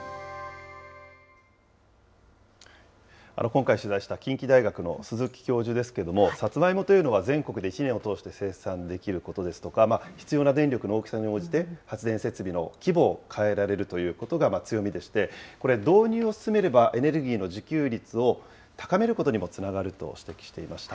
今回、取材した近畿大学の鈴木教授ですけども、サツマイモというのは、全国で１年を通して生産できることですとか、必要な電力の大きさに応じて、発電設備の規模を変えられるということが強みでして、これ、導入を進めれば、エネルギーの自給率を高めることにもつながると指摘